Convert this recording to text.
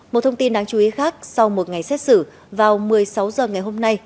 một thông tin đáng chú ý khác sau một ngày xét xử vào một mươi sáu h ngày hôm nay